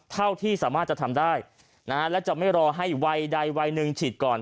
เท่าที่สามารถจะทำได้และจะไม่รอให้วัยใดวัยหนึ่งฉีดก่อน